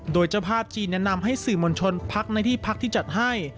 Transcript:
โดยเจ้าภาพจีนแนะนำให้สื่อมวลชนพักในที่พักที่จัดให้